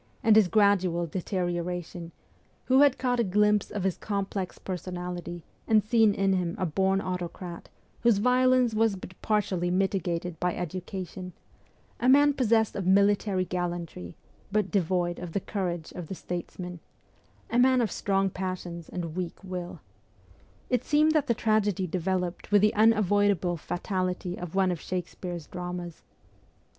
and his gradual deterioration, who had caught a glimpse of his complex personality, and seen in him a born autocrat, whose violence was but partially mitigated by education, a man possessed of military gallantry, but devoid of the courage of the statesman, a man of strong passions and weak will it seemed that the tragedy developed with the unavoidable fatality of one of Shakespeare's dramas.